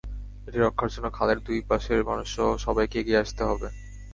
এটি রক্ষার জন্য খালের দুই পাশের মানুষসহ সবাইকে এগিয়ে আসতে হবে।